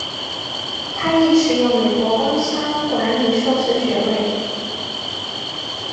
他亦持有美国工商管理硕士学位。